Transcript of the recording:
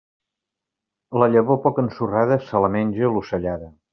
La llavor poc ensorrada, se la menja l'ocellada.